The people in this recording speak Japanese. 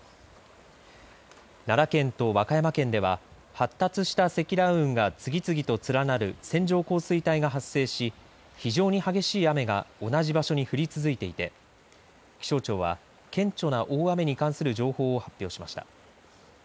奈良県と和歌山県では発達した積乱雲が次々と連なる線状降水帯が発生し非常に激しい雨が同じ場所に降り続いていて気象庁は顕著な大雨に関する情報を発表しました。